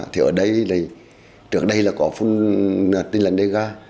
thì ở đây trước đây là có tên là đế gá